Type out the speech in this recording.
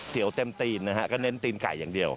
เต็มตีนนะฮะก็เน้นตีนไก่อย่างเดียว